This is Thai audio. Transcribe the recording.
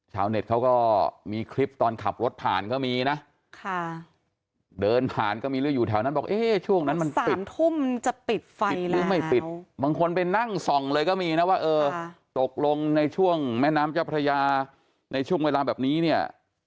แหมแต่มีถึงขั้นเนี้ย